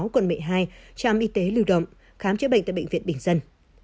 quận một mươi hai trạm y tế lưu động khám chữa bệnh tại bệnh viện bình dân